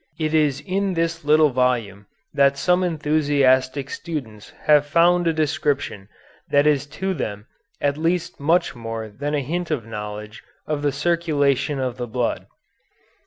It is in this little volume that some enthusiastic students have found a description that is to them at least much more than a hint of knowledge of the circulation of the blood.